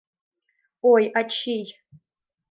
Ой, ачий!..